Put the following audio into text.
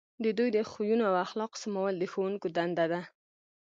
د دوی د خویونو او اخلاقو سمول د ښوونکو دنده ده.